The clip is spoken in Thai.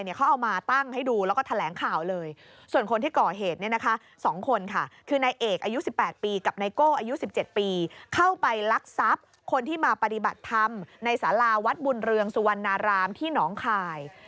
เค้าเอามาตั้งให้ดูแล้วก็แถลงข่าวเลย